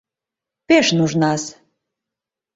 Пеш нужнас...